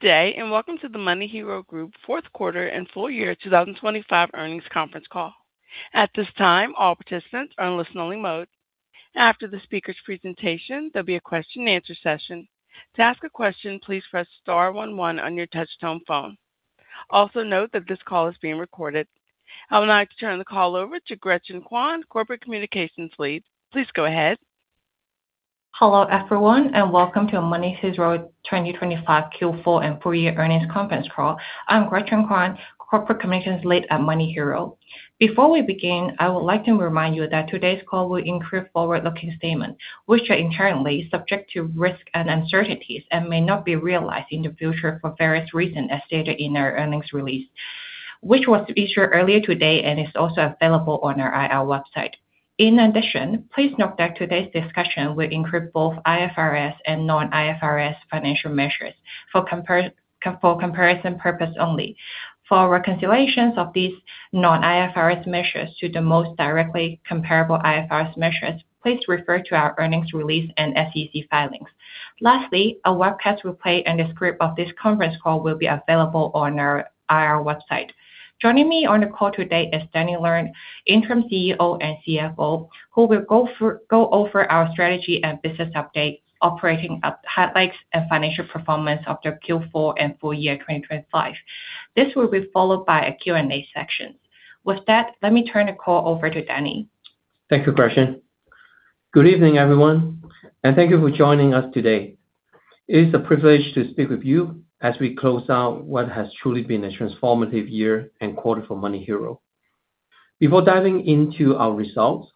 Danny, welcome to the MoneyHero Group fourth quarter and full year 2025 earnings conference call. At this time, all participants are in listen-only mode. After the speaker's presentation, there'll be a question and answer session. To ask a question, please press star one one on your touch-tone phone. Note that this call is being recorded. I would like to turn the call over to Gretchen Kwan, Corporate Communications Lead. Please go ahead. Hello, everyone, welcome to MoneyHero's 2025 Q4 and full year earnings conference call. I'm Gretchen Kwan, Corporate Communications Lead at MoneyHero. Before we begin, I would like to remind you that today's call will include forward-looking statements, which are inherently subject to risks and uncertainties and may not be realized in the future for various reasons as stated in our earnings release, which was issued earlier today and is also available on our IR website. In addition, please note that today's discussion will include both IFRS and non-IFRS financial measures for comparison purpose only. For reconciliations of these non-IFRS measures to the most directly comparable IFRS measures, please refer to our earnings release and SEC filings. Lastly, a webcast replay and a script of this conference call will be available on our IR website. Joining me on the call today is Danny Leung, Interim CEO and CFO, who will go over our strategy and business update, operating up highlights and financial performance of the Q4 and full year 2025. This will be followed by a Q&A section. With that, let me turn the call over to Danny. Thank you, Gretchen. Good evening, everyone, and thank you for joining us today. It is a privilege to speak with you as we close out what has truly been a transformative year and quarter for MoneyHero. Before diving into our results,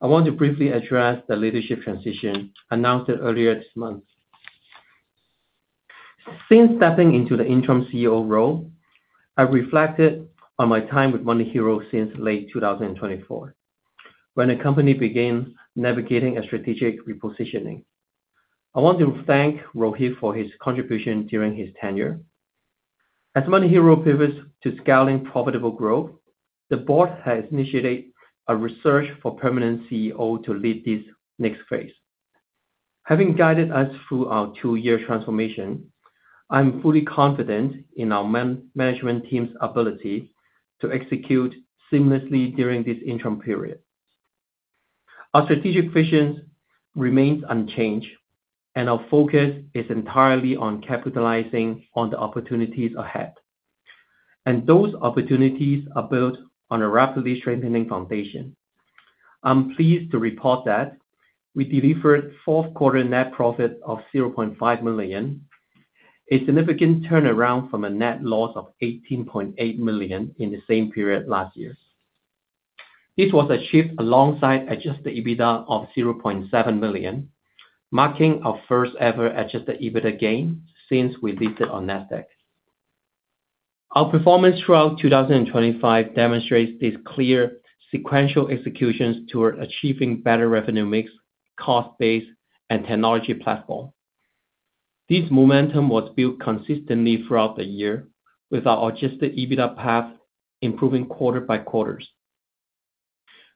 I want to briefly address the leadership transition announced earlier this month. Since stepping into the Interim CEO role, I've reflected on my time with MoneyHero since late 2024 when the company began navigating a strategic repositioning. I want to thank Rohith Murthy for his contribution during his tenure. As MoneyHero pivots to scaling profitable growth, the board has initiated a search for permanent CEO to lead this next phase. Having guided us through our two-year transformation, I'm fully confident in our management team's ability to execute seamlessly during this interim period. Our strategic vision remains unchanged, and our focus is entirely on capitalizing on the opportunities ahead. Those opportunities are built on a rapidly strengthening foundation. I'm pleased to report that we delivered fourth quarter net profit of $0.5 million, a significant turnaround from a net loss of $18.8 million in the same period last year. This was achieved alongside adjusted EBITDA of $0.7 million, marking our first ever adjusted EBITDA gain since we listed on Nasdaq. Our performance throughout 2025 demonstrates this clear sequential executions toward achieving better revenue mix, cost base, and technology platform. This momentum was built consistently throughout the year with our adjusted EBITDA path improving quarter-by-quarters.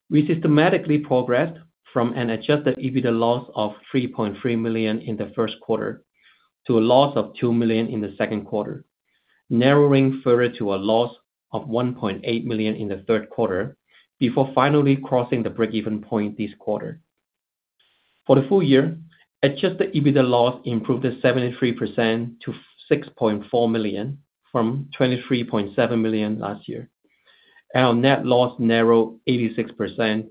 We systematically progressed from an adjusted EBITDA loss of $3.3 million in the first quarter to a loss of $2 million in the second quarter, narrowing further to a loss of $1.8 million in the third quarter before finally crossing the break-even point this quarter. For the full year, adjusted EBITDA loss improved 73% to $6.4 million from $23.7 million last year. Our net loss narrowed 86%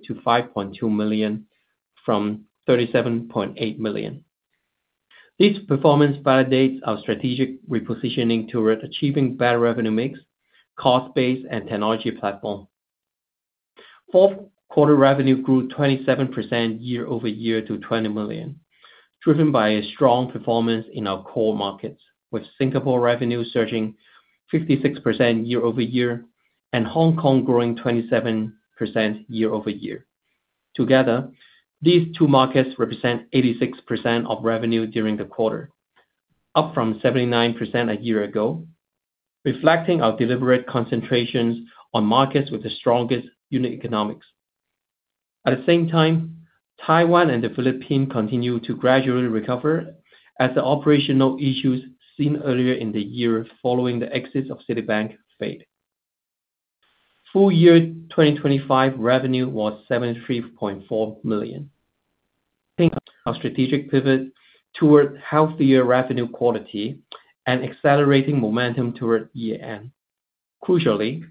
to $5.2 million from $37.8 million. This performance validates our strategic repositioning toward achieving better revenue mix, cost base, and technology platform. Fourth quarter revenue grew 27% year-over-year to $20 million, driven by a strong performance in our core markets, with Singapore revenue surging 56% year-over-year and Hong Kong growing 27% year-over-year. Together, these two markets represent 86% of revenue during the quarter, up from 79% a year ago, reflecting our deliberate concentrations on markets with the strongest unit economics. At the same time, Taiwan and the Philippines continue to gradually recover as the operational issues seen earlier in the year following the exit of Citibank fade. Full year 2025 revenue was $73.4 million. Our strategic pivot toward healthier revenue quality and accelerating momentum toward year end. Crucially,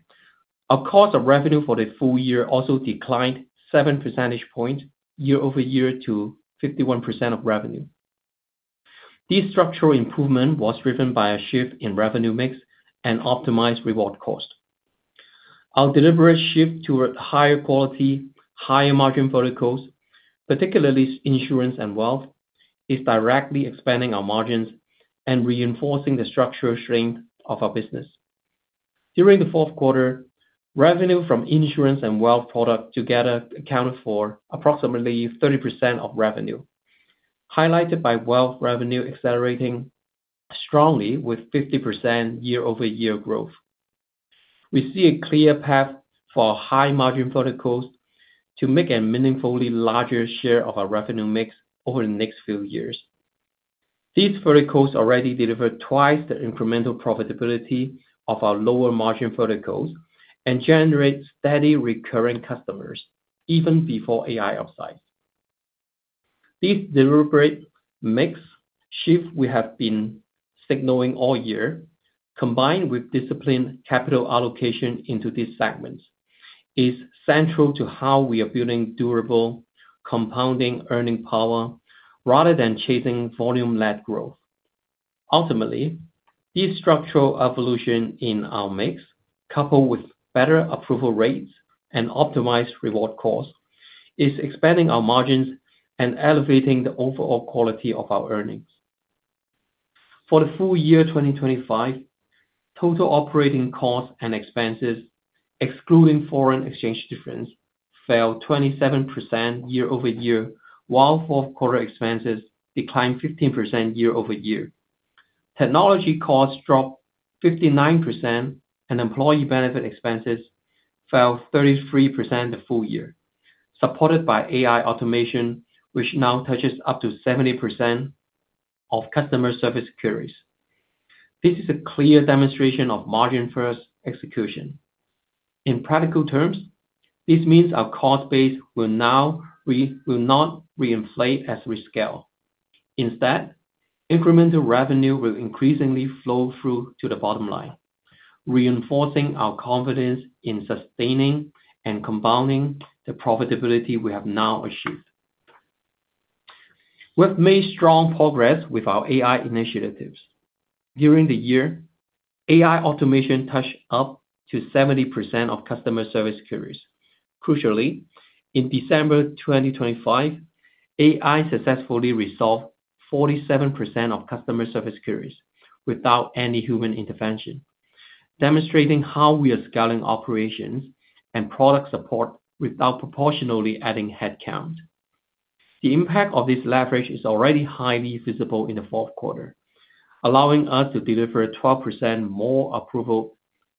our cost of revenue for the full year also declined 7 percentage points year-over-year to 51% of revenue. This structural improvement was driven by a shift in revenue mix and optimized reward cost. Our deliberate shift toward higher quality, higher margin verticals, particularly insurance and wealth, is directly expanding our margins and reinforcing the structural strength of our business. During the fourth quarter, revenue from insurance and wealth product together accounted for approximately 30% of revenue, highlighted by wealth revenue accelerating strongly with 50% year-over-year growth. We see a clear path for high margin verticals to make a meaningfully larger share of our revenue mix over the next few years. These verticals already deliver twice the incremental profitability of our lower margin verticals and generate steady recurring customers even before AI upsides. This deliberate mix shift we have been signaling all year, combined with disciplined capital allocation into these segments, is central to how we are building durable compounding earning power rather than chasing volume-led growth. Ultimately, this structural evolution in our mix, coupled with better approval rates and optimized reward costs, is expanding our margins and elevating the overall quality of our earnings. For the full year 2025, total operating costs and expenses, excluding foreign exchange difference, fell 27% year-over-year, while fourth quarter expenses declined 15% year-over-year. Technology costs dropped 59% and employee benefit expenses fell 33% the full year, supported by AI automation, which now touches up to 70% of customer service queries. This is a clear demonstration of margin-first execution. In practical terms, this means our cost base will not reinflate as we scale. Instead, incremental revenue will increasingly flow through to the bottom line, reinforcing our confidence in sustaining and compounding the profitability we have now achieved. We've made strong progress with our AI initiatives. During the year, AI automation touched up to 70% of customer service queries. Crucially, in December 2025, AI successfully resolved 47% of customer service queries without any human intervention, demonstrating how we are scaling operations and product support without proportionally adding headcount. The impact of this leverage is already highly visible in the fourth quarter, allowing us to deliver 12% more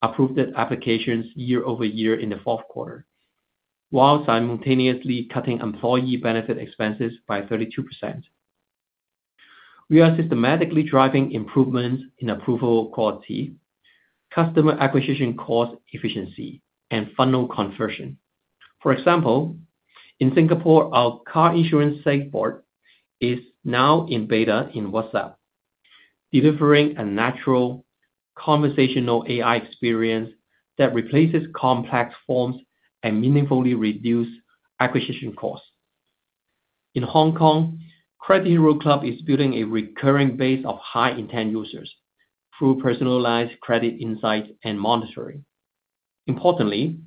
approved applications year-over-year in the fourth quarter, while simultaneously cutting employee benefit expenses by 32%. We are systematically driving improvements in approval quality, customer acquisition cost efficiency, and funnel conversion. For example, in Singapore, our car insurance chatbot is now in Beta in WhatsApp, delivering a natural conversational AI experience that replaces complex forms and meaningfully reduce acquisition costs. In Hong Kong, Credit Hero Club is building a recurring base of high-intent users through personalized credit insights and monitoring. Importantly,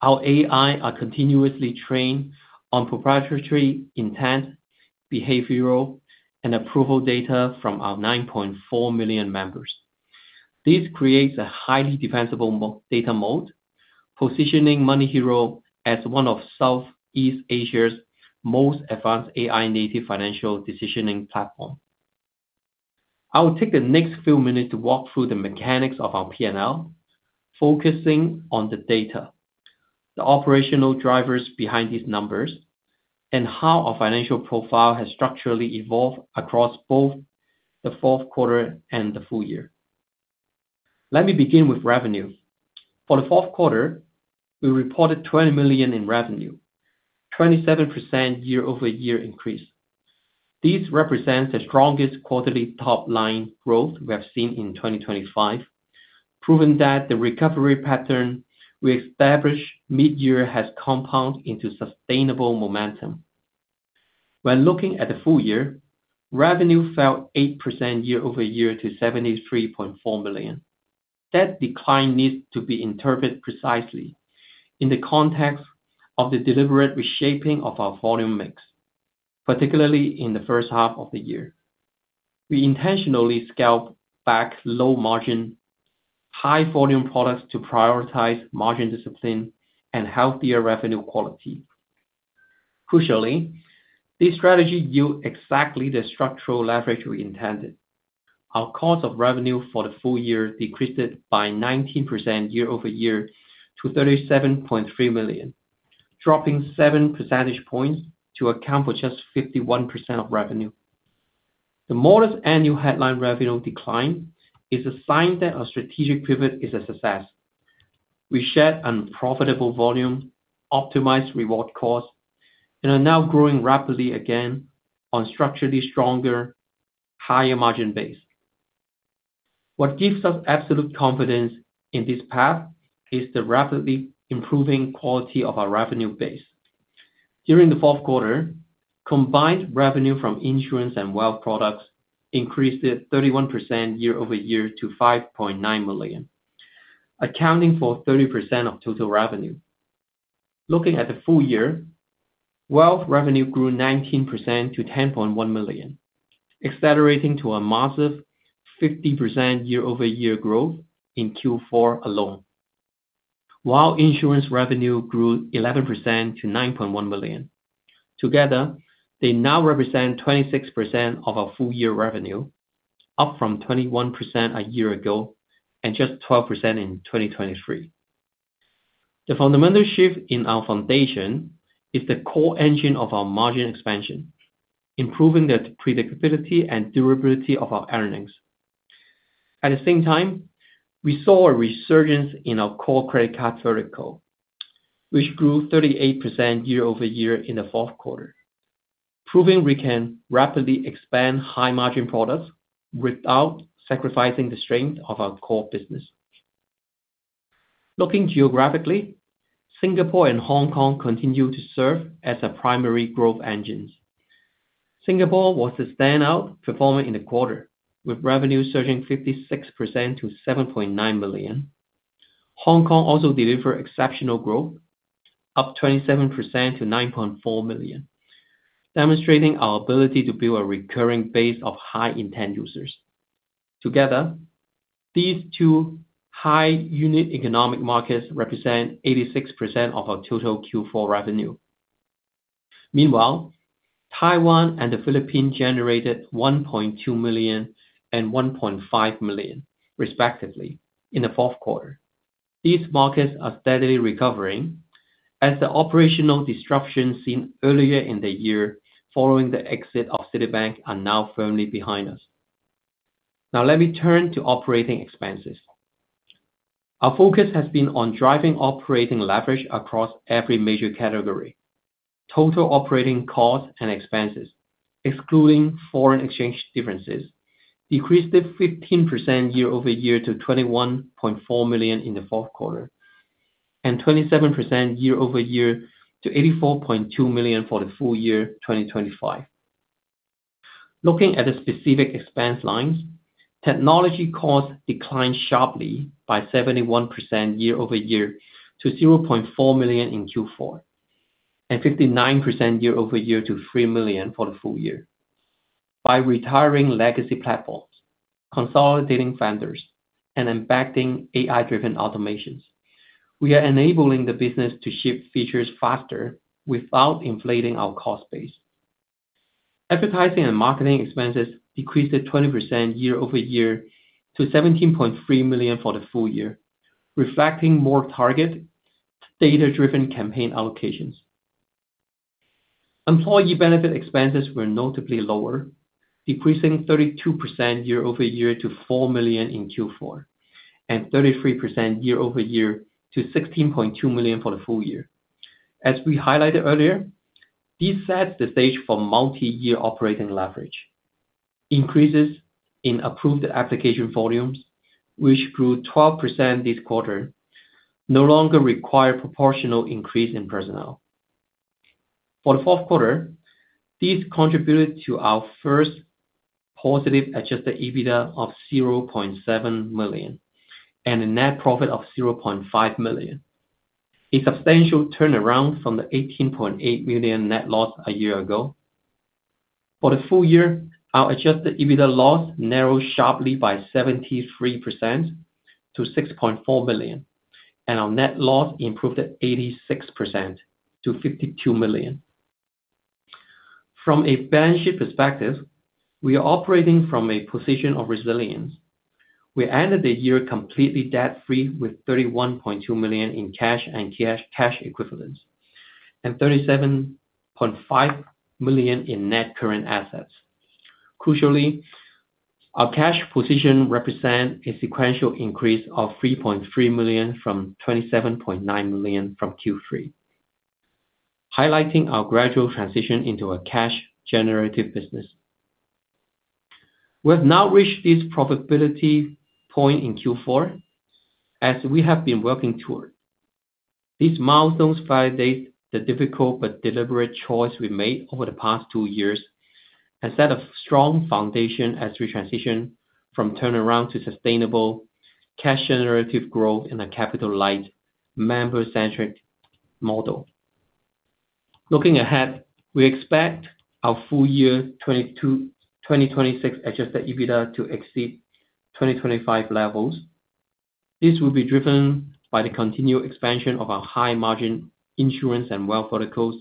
our AI are continuously trained on proprietary intent, behavioral, and approval data from our 9.4 million members. This creates a highly defensible data moat, positioning MoneyHero as one of Southeast Asia's most advanced AI-native financial decisioning platform. I will take the next few minutes to walk through the mechanics of our P&L, focusing on the data, the operational drivers behind these numbers, and how our financial profile has structurally evolved across both the fourth quarter and the full year. Let me begin with revenue. For the fourth quarter, we reported $20 million in revenue, 27% year-over-year increase. This represents the strongest quarterly top-line growth we have seen in 2025, proving that the recovery pattern we established mid-year has compounded into sustainable momentum. When looking at the full year, revenue fell 8% year-over-year to $73.4 million. That decline needs to be interpreted precisely in the context of the deliberate reshaping of our volume mix, particularly in the first half of the year. We intentionally scaled back low margin, high volume products to prioritize margin discipline and healthier revenue quality. Crucially, this strategy yield exactly the structural leverage we intended. Our cost of revenue for the full year decreased by 19% year-over-year to $37.3 million, dropping 7 percentage points to account for just 51% of revenue. The modest annual headline revenue decline is a sign that our strategic pivot is a success. We shed unprofitable volume, optimized reward costs, and are now growing rapidly again on structurally stronger, higher margin base. What gives us absolute confidence in this path is the rapidly improving quality of our revenue base. During the fourth quarter, combined revenue from insurance and wealth products increased 31% year-over-year to $5.9 million, accounting for 30% of total revenue. Looking at the full year, wealth revenue grew 19% to $10.1 million, accelerating to a massive 50% year-over-year growth in Q4 alone. Insurance revenue grew 11% to $9.1 million. Together, they now represent 26% of our full-year revenue, up from 21% a year ago and just 12% in 2023. The fundamental shift in our foundation is the core engine of our margin expansion, improving the predictability and durability of our earnings. At the same time, we saw a resurgence in our core credit card vertical, which grew 38% year-over-year in the fourth quarter, proving we can rapidly expand high-margin products without sacrificing the strength of our core business. Looking geographically, Singapore and Hong Kong continue to serve as our primary growth engines. Singapore was the standout performer in the quarter, with revenue surging 56% to $7.9 million. Hong Kong also delivered exceptional growth, up 27% to $9.4 million, demonstrating our ability to build a recurring base of high-intent users. Together, these two high unit economic markets represent 86% of our total Q4 revenue. Meanwhile, Taiwan and the Philippines generated $1.2 million and $1.5 million, respectively, in the fourth quarter. These markets are steadily recovering as the operational disruptions seen earlier in the year following the exit of Citibank are now firmly behind us. Now let me turn to operating expenses. Our focus has been on driving operating leverage across every major category. Total operating costs and expenses, excluding foreign exchange differences, decreased 15% year-over-year to $21.4 million in the fourth quarter, and 27% year-over-year to $84.2 million for the full year 2025. Looking at the specific expense lines, technology costs declined sharply by 71% year-over-year to $0.4 million in Q4, and 59% year-over-year to $3 million for the full year. By retiring legacy platforms, consolidating vendors, and impacting AI-driven automations, we are enabling the business to ship features faster without inflating our cost base. Advertising and marketing expenses decreased 20% year-over-year to $17.3 million for the full year, reflecting more targeted data-driven campaign allocations. Employee benefit expenses were notably lower, decreasing 32% year-over-year to $4 million in Q4, and 33% year-over-year to $16.2 million for the full year. As we highlighted earlier, this sets the stage for multi-year operating leverage. Increases in approved application volumes, which grew 12% this quarter, no longer require proportional increase in personnel. For the fourth quarter, this contributed to our first positive adjusted EBITDA of $0.7 million and a net profit of $0.5 million, a substantial turnaround from the $18.8 million net loss a year ago. For the full year, our adjusted EBITDA loss narrowed sharply by 73% to $6.4 million, and our net loss improved 86% to $52 million. From a balance sheet perspective, we are operating from a position of resilience. We ended the year completely debt-free with $31.2 million in cash and cash equivalents and $37.5 million in net current assets. Crucially, our cash position represents a sequential increase of $3.3 million from $27.9 million from Q3, highlighting our gradual transition into a cash generative business. We have now reached this profitability point in Q4, as we have been working toward. This milestone validates the difficult but deliberate choice we made over the past two years and set a strong foundation as we transition from turnaround to sustainable cash generative growth in a capital-light, member-centric model. Looking ahead, we expect our full year 2026 adjusted EBITDA to exceed 2025 levels. This will be driven by the continued expansion of our high margin insurance and wealth verticals,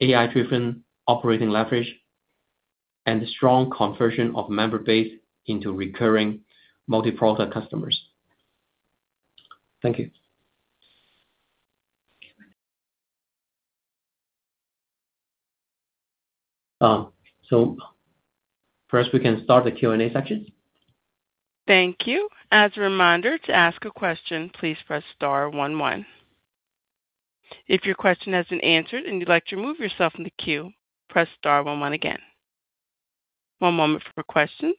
AI-driven operating leverage, and the strong conversion of member base into recurring multi-product customers. Thank you. First we can start the Q&A section. Thank you. As a reminder to ask a question, please press star one one. If your question has been answered and you'd like to remove yourself from the queue, press star one one again. One moment for questions.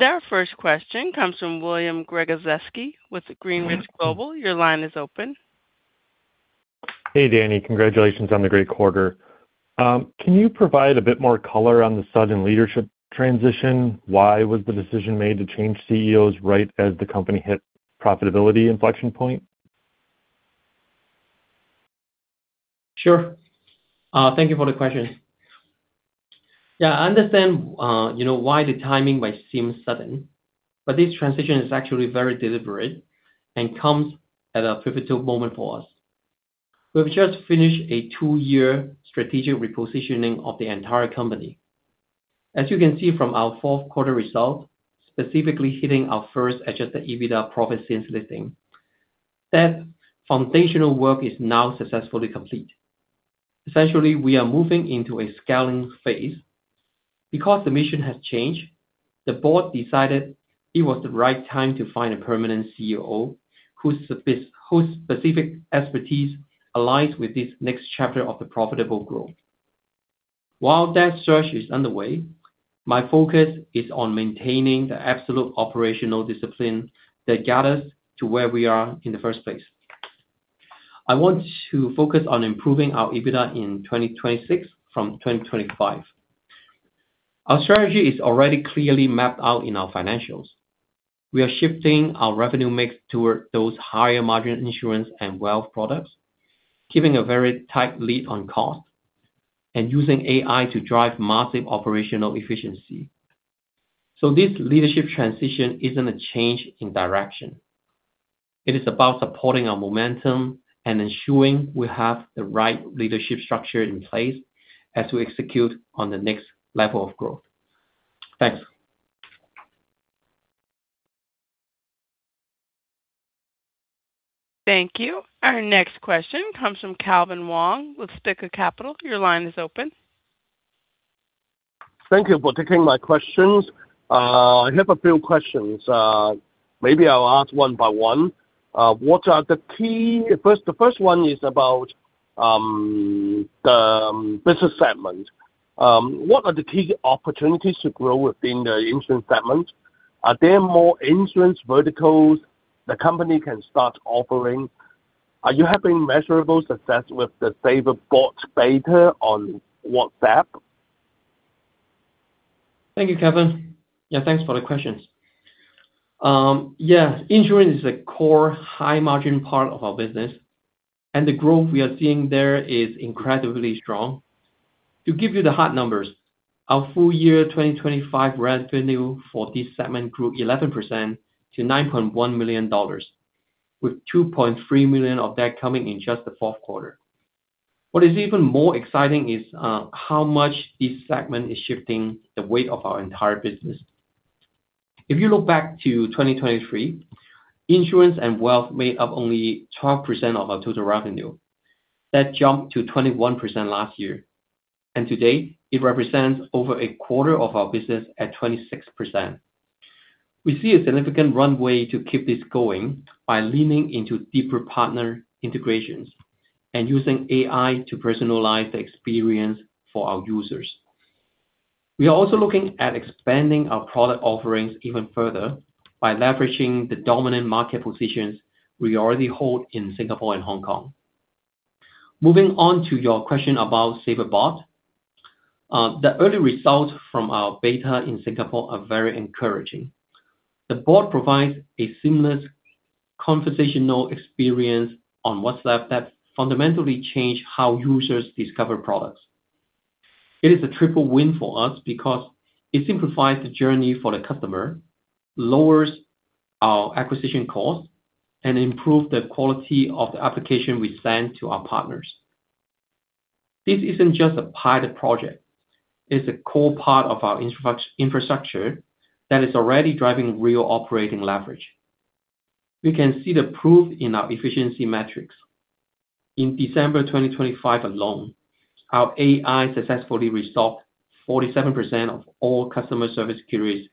Our first question comes from William Gregozeski with Greenridge Global. Your line is open. Hey, Danny. Congratulations on the great quarter. Can you provide a bit more color on the sudden leadership transition? Why was the decision made to change CEOs right as the company hit profitability inflection point? Sure. Thank you for the question. Yeah, I understand, you know, why the timing might seem sudden, but this transition is actually very deliberate and comes at a pivotal moment for us. We've just finished a two-year strategic repositioning of the entire company. As you can see from our fourth quarter results, specifically hitting our first adjusted EBITDA profit since listing. That foundational work is now successfully complete. Essentially, we are moving into a scaling phase. The mission has changed, the board decided it was the right time to find a permanent CEO whose specific expertise aligns with this next chapter of the profitable growth. While that search is underway, my focus is on maintaining the absolute operational discipline that got us to where we are in the first place. I want to focus on improving our EBITDA in 2026 from 2025. Our strategy is already clearly mapped out in our financials. We are shifting our revenue mix toward those higher margin insurance and wealth products, keeping a very tight lead on cost, and using AI to drive massive operational efficiency. This leadership transition isn't a change in direction. It is about supporting our momentum and ensuring we have the right leadership structure in place as we execute on the next level of growth. Thanks. Thank you. Our next question comes from Calvin Wong with Sticker Capital. Your line is open. Thank you for taking my questions. I have a few questions. Maybe I'll ask one by one. First, the first one is about the business segment. What are the key opportunities to grow within the insurance segment? Are there more insurance verticals the company can start offering? Are you having measurable success with the SaverBot Beta on WhatsApp? Thank you, Calvin. Yeah, thanks for the questions. Yeah, insurance is a core high margin part of our business, and the growth we are seeing there is incredibly strong. To give you the hard numbers, our full year 2025 revenue for this segment grew 11% to $9.1 million, with $2.3 million of that coming in just the fourth quarter. What is even more exciting is how much this segment is shifting the weight of our entire business. If you look back to 2023, insurance and wealth made up only 12% of our total revenue. That jumped to 21% last year, and today it represents over a quarter of our business at 26%. We see a significant runway to keep this going by leaning into deeper partner integrations and using AI to personalize the experience for our users. We are also looking at expanding our product offerings even further by leveraging the dominant market positions we already hold in Singapore and Hong Kong. Moving on to your question about SaverBot. The early results from our beta in Singapore are very encouraging. The bot provides a seamless conversational experience on WhatsApp that fundamentally change how users discover products. It is a triple win for us because it simplifies the journey for the customer, lowers our acquisition costs, and improve the quality of the application we send to our partners. This isn't just a pilot project. It's a core part of our infrastructure that is already driving real operating leverage. We can see the proof in our efficiency metrics. In December 2025 alone, our AI successfully resolved 47% of all customer service queries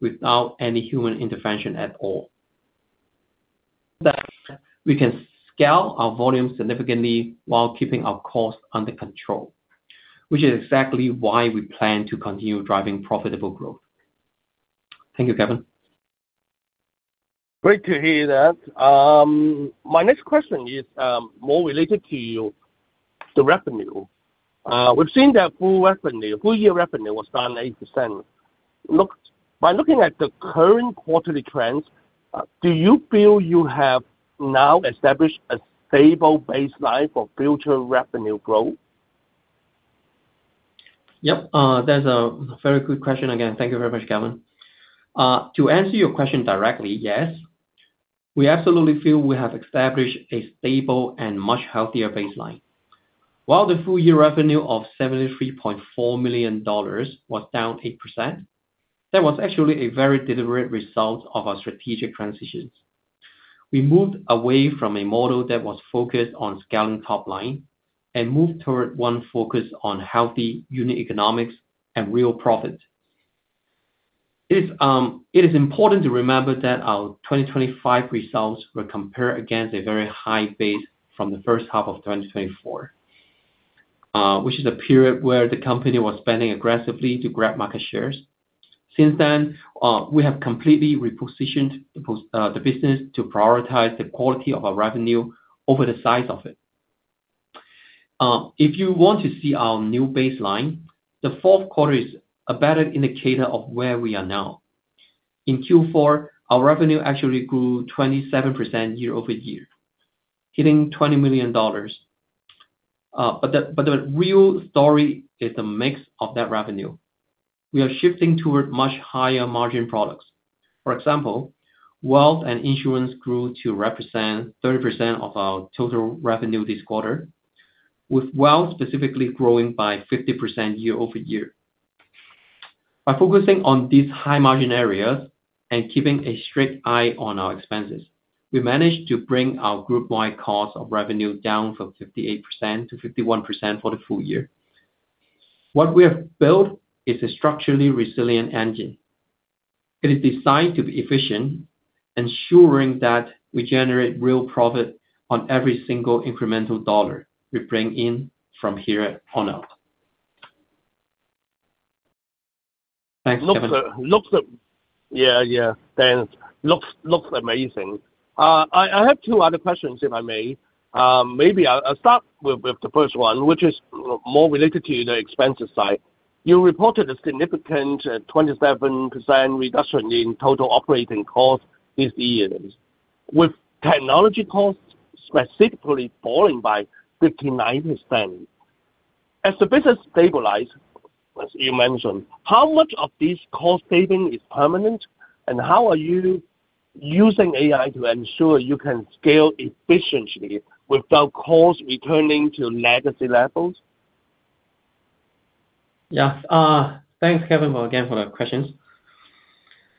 without any human intervention at all. That we can scale our volume significantly while keeping our costs under control, which is exactly why we plan to continue driving profitable growth. Thank you, Calvin. Great to hear that. My next question is more related to the revenue. We've seen that full revenue, full year revenue was down 80%. By looking at the current quarterly trends, do you feel you have now established a stable baseline for future revenue growth? Yep. That's a very good question. Again, thank you very much, Calvin. To answer your question directly, yes, we absolutely feel we have established a stable and much healthier baseline. While the full year revenue of $73.4 million was down 8%, that was actually a very deliberate result of our strategic transitions. We moved away from a model that was focused on scaling top line and moved toward one focused on healthy unit economics and real profit. It's important to remember that our 2025 results were compared against a very high base from the first half of 2024, which is a period where the company was spending aggressively to grab market shares. Since then, we have completely repositioned the business to prioritize the quality of our revenue over the size of it. If you want to see our new baseline, the fourth quarter is a better indicator of where we are now. In Q4, our revenue actually grew 27% year-over-year, hitting $20 million. The real story is the mix of that revenue. We are shifting toward much higher margin products. For example, wealth and insurance grew to represent 30% of our total revenue this quarter, with wealth specifically growing by 50% year-over-year. By focusing on these high margin areas and keeping a strict eye on our expenses, we managed to bring our group-wide cost of revenue down from 58%-51% for the full year. What we have built is a structurally resilient engine. It is designed to be efficient, ensuring that we generate real profit on every single incremental dollar we bring in from here on out. Thanks, Calvin. Looks. Yeah. Thanks. Looks amazing. I have two other questions, if I may. Maybe I'll start with the first one, which is more related to the expenses side. You reported a significant 27% reduction in total operating costs this year, with technology costs specifically falling by 59%. As the business stabilize, as you mentioned, how much of this cost saving is permanent, and how are you using AI to ensure you can scale efficiently without costs returning to legacy levels? Yeah. Thanks, Calvin, again for the questions.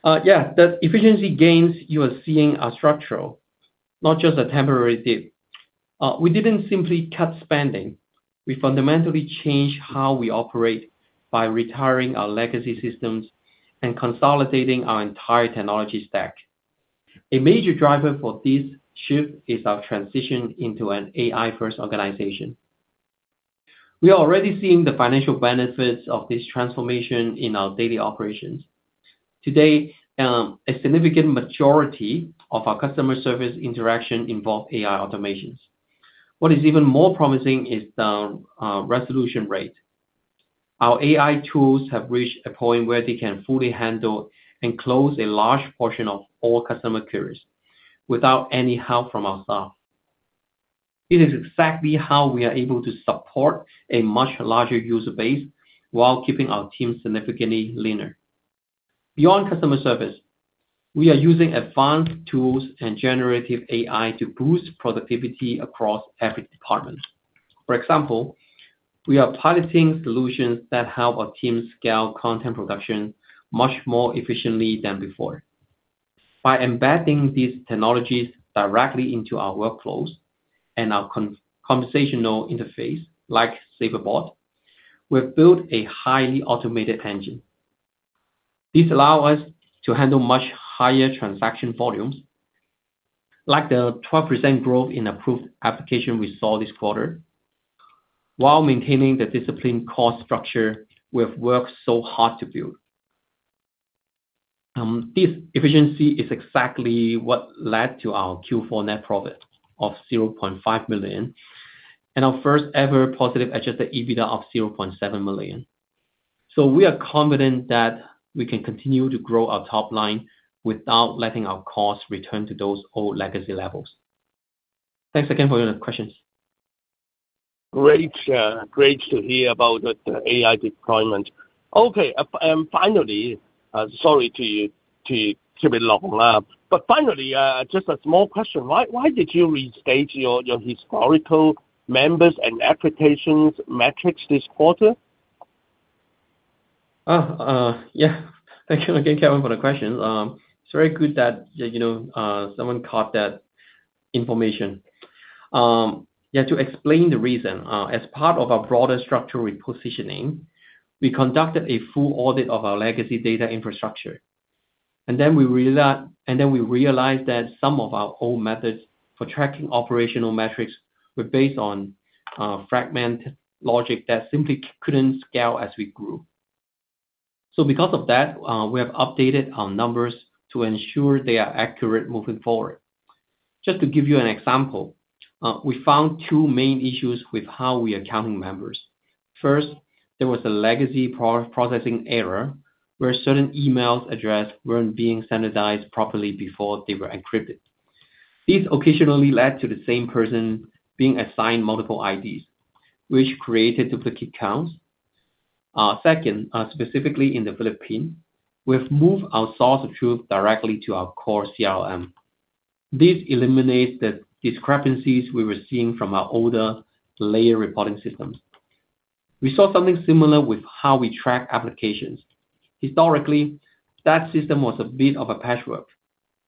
Yeah. The efficiency gains you are seeing are structural, not just a temporary dip. We didn't simply cut spending. We fundamentally changed how we operate by retiring our legacy systems and consolidating our entire technology stack. A major driver for this shift is our transition into an AI-first organization. We are already seeing the financial benefits of this transformation in our daily operations. Today, a significant majority of our customer service interaction involve AI automations. What is even more promising is the resolution rate. Our AI tools have reached a point where they can fully handle and close a large portion of all customer queries without any help from our staff. It is exactly how we are able to support a much larger user base while keeping our team significantly leaner. Beyond customer service, we are using advanced tools and generative AI to boost productivity across every department. For example, we are piloting solutions that help our team scale content production much more efficiently than before. By embedding these technologies directly into our workflows and our conversational interface, like SaverBot, we've built a highly automated engine. This allows us to handle much higher transaction volumes, like the 12% growth in approved application we saw this quarter, while maintaining the disciplined cost structure we have worked so hard to build. This efficiency is exactly what led to our Q4 net profit of $0.5 million and our first ever positive adjusted EBITDA of $0.7 million. We are confident that we can continue to grow our top line without letting our costs return to those old legacy levels. Thanks again for your questions. Great. Great to hear about the AI deployment. Finally, sorry to be long, but finally, just a small question. Why did you restage your historical members and applications metrics this quarter? Yeah. Thank you again, Calvin for the question. It's very good that, you know, someone caught that information. Yeah, to explain the reason. As part of our broader structural repositioning, we conducted a full audit of our legacy data infrastructure. We realized that some of our old methods for tracking operational metrics were based on fragmented logic that simply couldn't scale as we grew. Because of that, we have updated our numbers to ensure they are accurate moving forward. Just to give you an example, we found two main issues with how we are counting members. First, there was a legacy preprocessing error where certain emails address weren't being standardized properly before they were encrypted. This occasionally led to the same person being assigned multiple IDs, which created duplicate counts. Second, specifically in the Philippines, we've moved our source of truth directly to our core CRM. This eliminates the discrepancies we were seeing from our older layer reporting systems. We saw something similar with how we track applications. Historically, that system was a bit of a patchwork.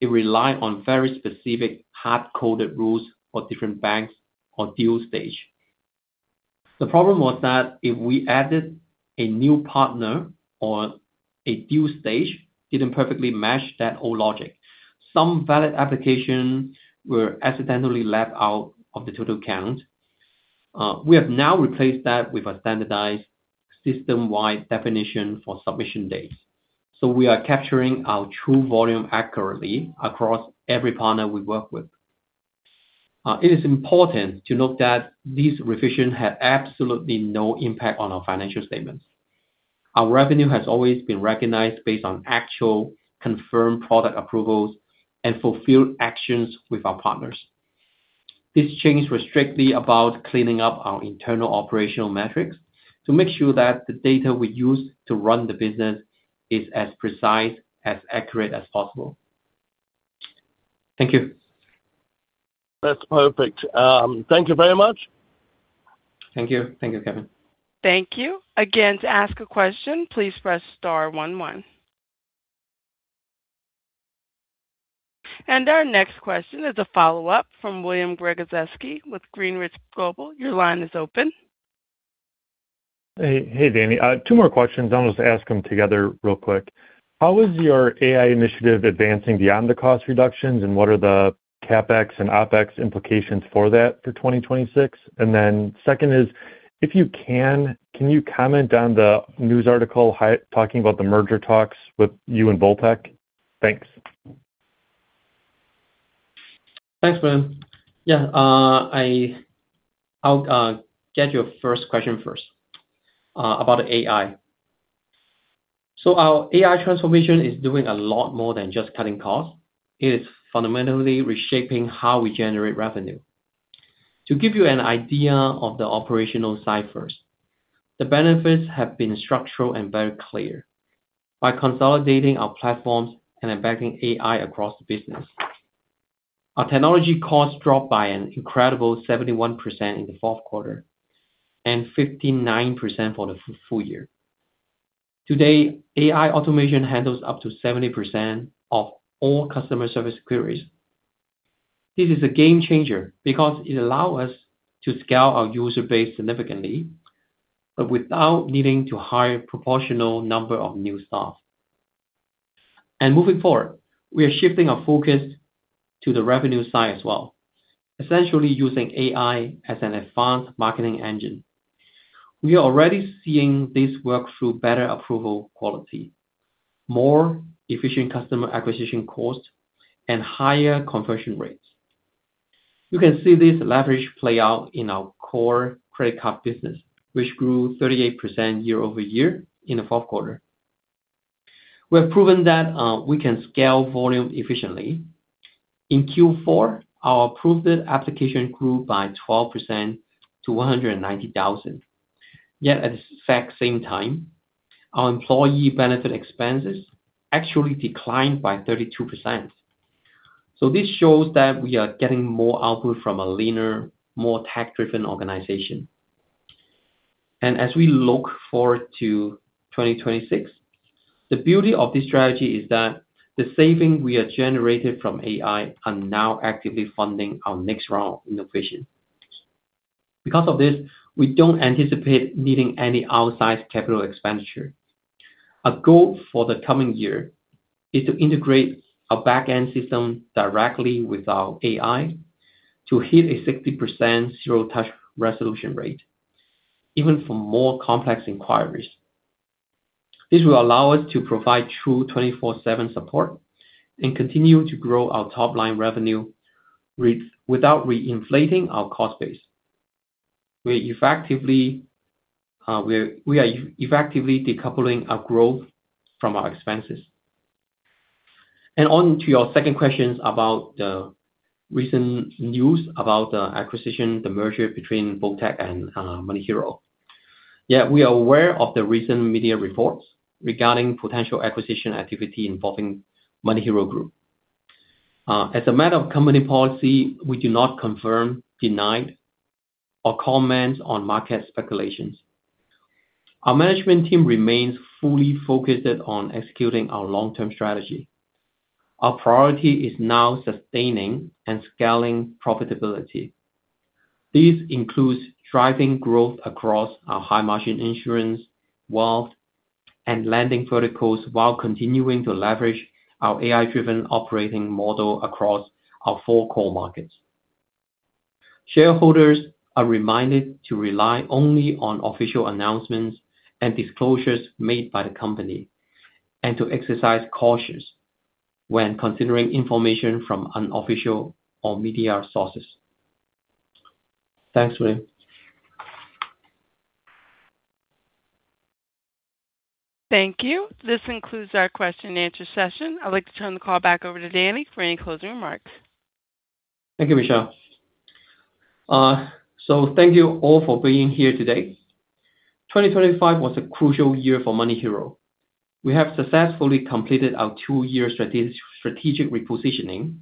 It relied on very specific hard-coded rules for different banks or deal stage. The problem was that if we added a new partner or a deal stage didn't perfectly match that old logic, some valid applications were accidentally left out of the total count. We have now replaced that with a standardized system-wide definition for submission dates, so we are capturing our true volume accurately across every partner we work with. It is important to note that this revision had absolutely no impact on our financial statements. Our revenue has been recognized based on actual confirmed product approvals and fulfilled actions with our partners. This change was strictly about cleaning up our internal operational metrics to make sure that the data we use to run the business is as precise, as accurate as possible. Thank you. That's perfect. Thank you very much. Thank you. Thank you, Calvin. Thank you. To ask a question, please press star one one. Our next question is a follow-up from William Gregozeski with Greenridge Global. Your line is open. Hey, hey, Danny. Two more questions. I'll just ask them together real quick. How is your AI initiative advancing beyond the cost reductions, and what are the CapEx and OpEx implications for that for 2026? Second is, if you can you comment on the news article talking about the merger talks with you and bolttech? Thanks. Thanks, William. I'll get your first question first about the AI. Our AI transformation is doing a lot more than just cutting costs. It is fundamentally reshaping how we generate revenue. To give you an idea of the operational side first, the benefits have been structural and very clear. By consolidating our platforms and embedding AI across the business, our technology costs dropped by an incredible 71% in the fourth quarter and 59% for the full year. Today, AI automation handles up to 70% of all customer service queries. This is a game changer because it allow us to scale our user base significantly, without needing to hire proportional number of new staff. Moving forward, we are shifting our focus to the revenue side as well, essentially using AI as an advanced marketing engine. We are already seeing this work through better approval quality, more efficient customer acquisition costs, and higher conversion rates. You can see this leverage play out in our core credit card business, which grew 38% year-over-year in the fourth quarter. We have proven that we can scale volume efficiently. In Q4, our approved application grew by 12% to 190,000. Yet at the exact same time, our employee benefit expenses actually declined by 32%. This shows that we are getting more output from a leaner, more tech-driven organization. As we look forward to 2026, the beauty of this strategy is that the saving we have generated from AI are now actively funding our next round of innovation. Because of this, we don't anticipate needing any outsized Capital Expenditure. Our goal for the coming year is to integrate our back-end system directly with our AI to hit a 60% zero-touch resolution rate, even for more complex inquiries. This will allow us to provide true 24/7 support and continue to grow our top-line revenue without reinflating our cost base. We are effectively decoupling our growth from our expenses. On to your second question about the recent news about the acquisition, the merger between bolttech and MoneyHero. We are aware of the recent media reports regarding potential acquisition activity involving MoneyHero Group. As a matter of company policy, we do not confirm, deny, or comment on market speculations. Our management team remains fully focused on executing our long-term strategy. Our priority is now sustaining and scaling profitability. This includes driving growth across our high-margin insurance, wealth, and lending verticals while continuing to leverage our AI-driven operating model across our four core markets. Shareholders are reminded to rely only on official announcements and disclosures made by the company and to exercise caution when considering information from unofficial or media sources. Thanks, William. Thank you. This concludes our question and answer session. I'd like to turn the call back over to Danny for any closing remarks. Thank you, Michelle. Thank you all for being here today. 2025 was a crucial year for MoneyHero. We have successfully completed our two-year strategic repositioning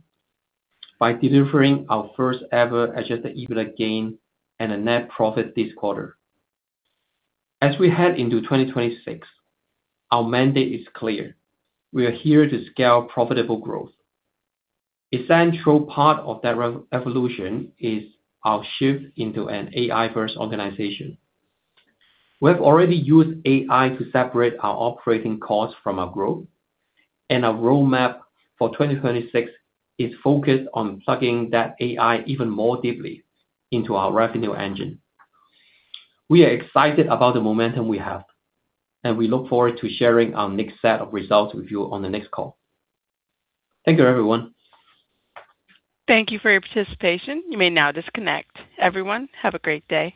by delivering our first ever adjusted EBITDA gain and a net profit this quarter. As we head into 2026, our mandate is clear: We are here to scale profitable growth. Essential part of that re-evolution is our shift into an AI first organization. We have already used AI to separate our operating costs from our growth, and our roadmap for 2026 is focused on plugging that AI even more deeply into our revenue engine. We are excited about the momentum we have, and we look forward to sharing our next set of results with you on the next call. Thank you, everyone. Thank you for your participation. You may now disconnect. Everyone, have a great day.